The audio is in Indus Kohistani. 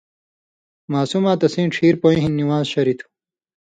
ماسُماں تسیں ڇھیر پویں ہِن نِوان٘ز شریۡ تھُو۔